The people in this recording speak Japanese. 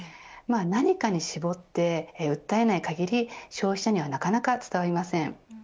何かに絞って訴えない限り消費者にはなかなか伝わりません。